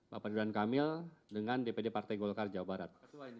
bapak ridwan kamil dengan dpd partai golkar jawa barat